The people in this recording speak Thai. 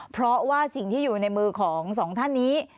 เพราะว่าสิ่งที่อยู่ในมือของสองท่านนี้